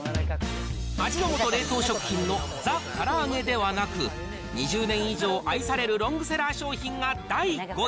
味の素冷凍食品のザ・から揚げではなく、２０年以上愛されるロングセラー商品が第５位。